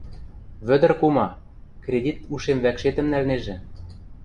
— Вӧдӹр кума, кредит ушем вӓкшетӹм нӓлнежӹ.